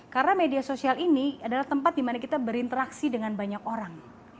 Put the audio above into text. karena media sosial ini adalah tempat dimana kita berinteraksi dengan banyak orang